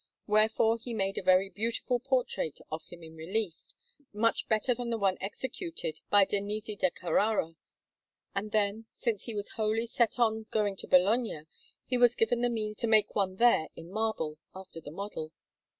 Wherefore he made a very beautiful portrait of him in relief, much better than the one executed by Danese da Carrara, and then, since he was wholly set on going to Bologna, he was given the means to make one there in marble, after the model.